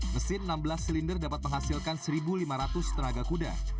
mesin enam belas silinder dapat menghasilkan satu lima ratus tenaga kuda